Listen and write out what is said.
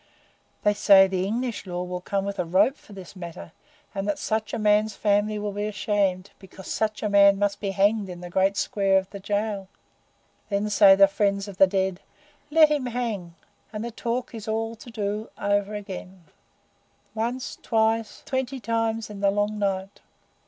They say the English Law will come with a rope for this matter, and that such a man's family will be ashamed, because such a man must be hanged in the great square of the Jail. Then say the friends of the dead, 'Let him hang!' and the talk is all to do over again once, twice, twenty times in the long night.